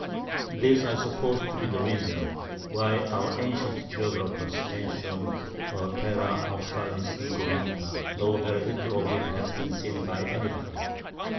This I suppose to be the Reason why our antient Geographers mention'd a Terra Australis Incognita, tho' very little of it has been seen by any body.